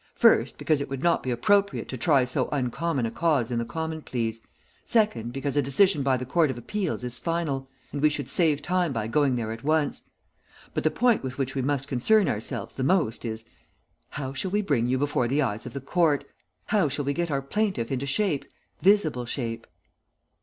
First because it would not be appropriate to try so uncommon a cause in the Common Pleas, second because a decision by the Court of Appeals is final, and we should save time by going there at once; but the point with which we must concern ourselves the most is, how shall we bring you before the eyes of the court; how shall we get our plaintiff into shape visible shape?"